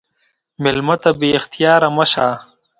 مېلمه ته بې اختیاره مه شه.